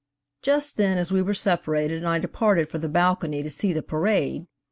Just then we were separated and I departed for the balcony to see the parade.